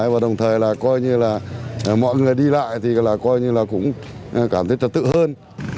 và đồng thời là coi như là mọi người đi lại thì là coi như là cũng cảm thấy là tự hơn